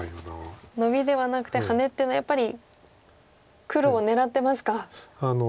ノビではなくてハネっていうのはやっぱり黒を狙ってますか。